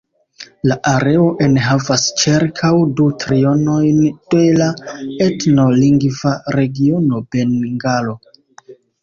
La areo enhavas ĉirkaŭ du trionojn de la etno-lingva regiono Bengalo.